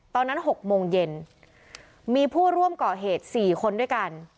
ตอนนั้น๖โมงเย็นมีผู้ร่วมก่อเหตุ๔คนด้วยกัน